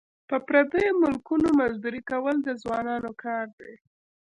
په پردیو ملکونو مزدوري کول د ځوانانو کار دی.